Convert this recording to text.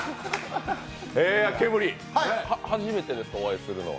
ケムリ、初めてですか、お会いするのは。